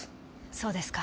そうですか。